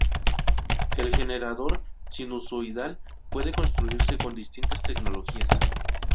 El generador sinusoidal puede construirse con distintas tecnologías.